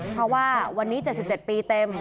เพราะว่าวันนี้๗๗ปีเต็ม